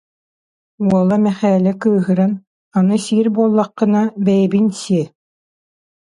Уола Мэхээлэ кыыһыран: «Аны сиир буоллаххына бэйэбин сиэ»